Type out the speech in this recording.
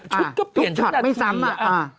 ชุดก็เปลี่ยนทุ่งนาทีชุดไม่ซ้ำ